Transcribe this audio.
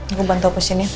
aku bantu hapusin ya